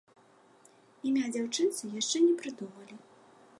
Імя дзяўчынцы яшчэ не прыдумалі.